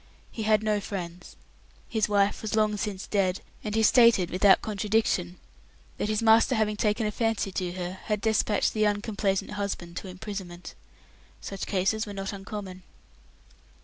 He had no friends. His wife was long since dead, and he stated, without contradiction, that his master, having taken a fancy to her, had despatched the uncomplaisant husband to imprisonment. Such cases were not uncommon.